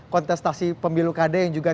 kontestasi pemilu kada yang juga